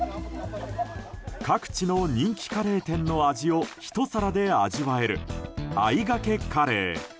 各地の人気カレー店の味をひと皿で味わえるあいがけカレー。